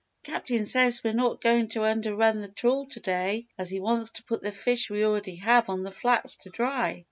"Captain says we're not going to under run the trawl to day, as he wants to put the fish we already have on the flats to dry.